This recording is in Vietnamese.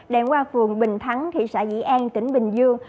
đoạn qua phường bình thắng thị xã dĩ an tỉnh bình dương